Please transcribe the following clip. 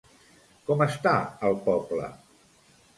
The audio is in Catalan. Com està el poble?